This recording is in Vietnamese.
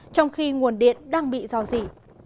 trong khi nguồn điện đang bị dò dỉ